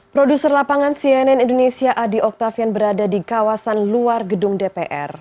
produser lapangan cnn indonesia adi oktavian berada di kawasan luar gedung dpr